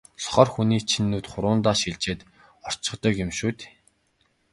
сохор хүний чинь нүд хуруундаа шилжээд орчихдог юм шүү дээ.